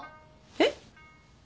えっ？